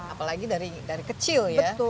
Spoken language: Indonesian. apalagi dari kecil ya